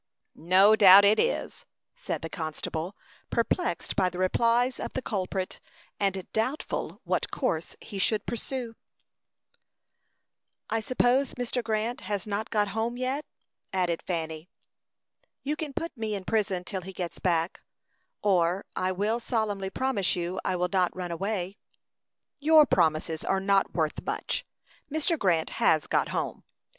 "No doubt it is," said the constable, perplexed by the replies of the culprit, and doubtful what course he should pursue. "I suppose Mr. Grant has not got home yet," added Fanny. "You can put me in prison till he gets back; or I will solemnly promise you I will not run away." "Your promises are not worth much. Mr. Grant has got home.